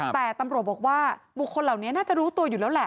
แต่ตำรวจบอกว่าบุคคลเหล่านี้น่าจะรู้ตัวอยู่แล้วแหละ